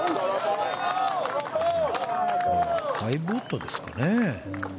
５ウッドでしたかね。